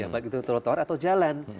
baik itu trotoar atau jalan